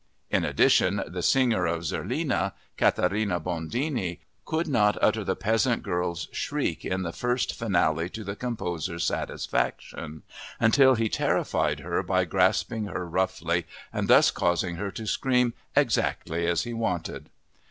In addition, the singer of Zerlina, Caterina Bondini, could not utter the peasant girl's shriek in the first finale to the composer's satisfaction until he terrified her by grasping her roughly and thus causing her to scream exactly as he wanted.